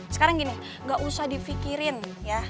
sekarang gini gak usah difikirin ya